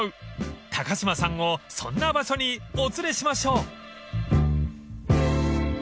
［高島さんをそんな場所にお連れしましょう］